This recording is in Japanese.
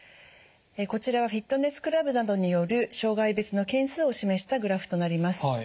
こちらはフィットネスクラブなどによる傷害別の件数を示したグラフとなります。